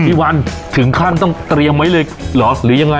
พี่วันถึงขั้นต้องเตรียมไว้เลยเหรอหรือยังไง